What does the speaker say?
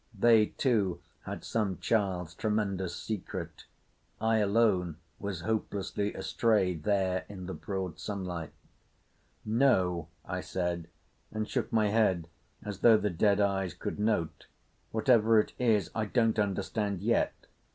They, too, had some child's tremendous secret. I alone was hopelessly astray there in the broad sunlight. "No," I said, and shook my head as though the dead eyes could note. "Whatever it is, I don't understand yet.